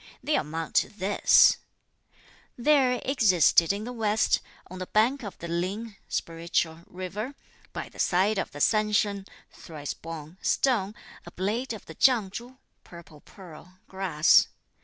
They amount to this: there existed in the west, on the bank of the Ling (spiritual) river, by the side of the San Sheng (thrice born) stone, a blade of the Chiang Chu (purple pearl) grass.